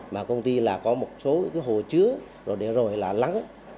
mà công ty là có một số cái hồ chứa rồi để rồi là lắng